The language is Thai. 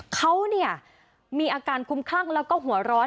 เขาเนี่ยมีอาการคุ้มคลั่งแล้วก็หัวร้อน